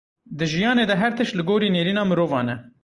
Di jiyanê de her tişt li gorî nêrîna mirovan e.